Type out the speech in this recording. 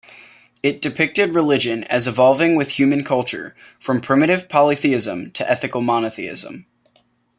It depicted religion as evolving with human culture, from primitive polytheism to ethical monotheism.